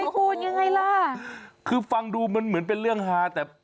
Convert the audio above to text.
คือคือฟังดูเหมือนเป็นเรื่องฮาแต่